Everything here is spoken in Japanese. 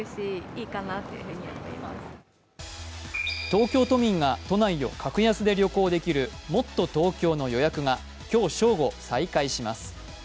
東京都民が都内を格安で旅行できるもっとＴｏｋｙｏの予約が今日正午、再開します。